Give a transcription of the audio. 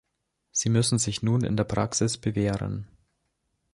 Sie müssen sich nun in der Praxis bewähren.